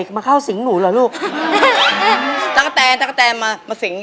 โปรดติดตามต่อไป